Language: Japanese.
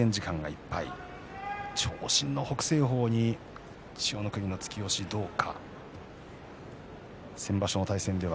長身の北青鵬に千代の国の突き押しがどうか。